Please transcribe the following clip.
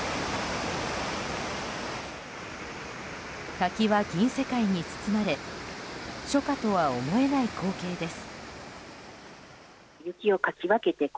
滝は銀世界に包まれ初夏とは思えない光景です。